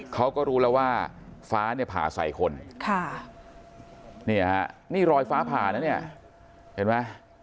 เขาก็รู้แล้วว่าฟ้าเนี่ยผ่าใส่คนค่ะนี่ฮะนี่รอยฟ้าผ่านะเนี่ยเห็นไหม